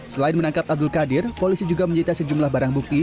selain menangkap abdul qadir polisi juga menyita sejumlah barang bukti